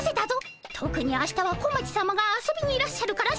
とくに明日は小町さまが遊びにいらっしゃるから慎重にな。